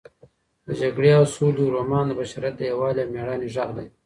د جګړې او سولې رومان د بشریت د یووالي او مېړانې غږ دی.